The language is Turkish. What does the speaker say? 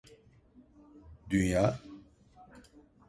Dünya?